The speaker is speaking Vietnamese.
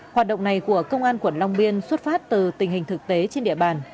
hoạt động này của công an quận long biên xuất phát từ tình hình thực tế trên địa bàn